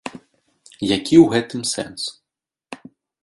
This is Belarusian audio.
Які ў гэтым сэнс?